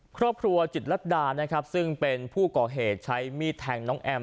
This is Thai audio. ครอบครัวจิตรัตดานะครับซึ่งเป็นผู้ก่อเหตุใช้มีดแทงน้องแอม